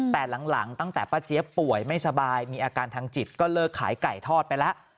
แต่หลังตั้งแต่ป้าเจี๊ยบป่วยไม่สบายมีอาการทางจิตก็เลิกขายไก่ทอดไปแล้ว